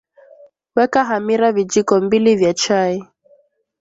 Weka hamira vijiko mbili vya chai